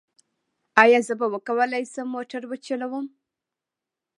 ایا زه به وکولی شم موټر وچلوم؟